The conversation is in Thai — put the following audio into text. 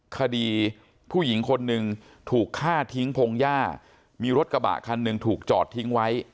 คดีผู้หญิงคนหนึ่งถูกฆ่าทิ้งพงหญ้ามีรถกระบะคันหนึ่งถูกจอดทิ้งไว้